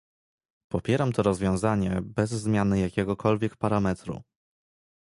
Popieram to rozwiązanie bez zmiany jakiegokolwiek parametru